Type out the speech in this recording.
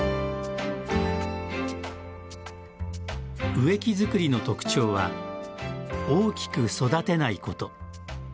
植木づくりの特徴は大きく育てないこと。